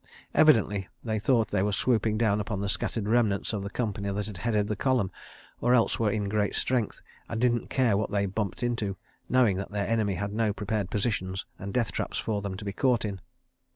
Evidently they thought they were swooping down upon the scattered remnants of the company that had headed the column, or else were in great strength, and didn't care what they "bumped into," knowing that their enemy had no prepared positions and death traps for them to be caught in.